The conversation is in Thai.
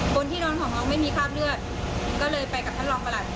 คนที่โดนของน้องไม่มีคราบเลือดก็เลยไปกับท่านรองประหลัด